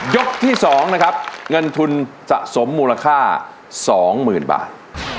ยกที่๒นะครับเงินทุนสะสมมูลค่า๒๐๐๐บาท